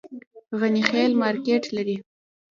غني خیل مارکیټ لري؟